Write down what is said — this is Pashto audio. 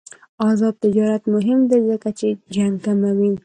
آزاد تجارت مهم دی ځکه چې جنګ کموي.